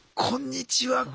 こんにちは。